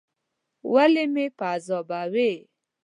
ولي مې په عذابوې ؟